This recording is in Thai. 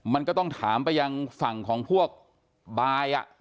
มันก็ต้องถามไปยังฝั่งของพวกบาย